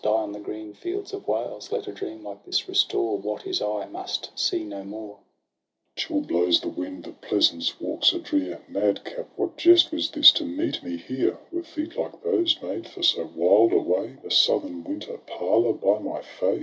Die on the green fields of Wales ! Let a dream like this restore What his eye must see no more ! 198 TRISTRAM AND ISEULT. Tristram. Chill blows the wind, the pleasaunce walks are drear — Madcap, what jest was this, to meet me here ? Were feet like those made for so wild a way? The southern winter parlour, by my fay.